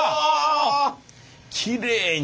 きれいに。